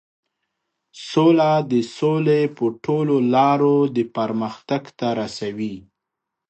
سوله د سولې په ټولو لارو د پرمختګ ته رسوي.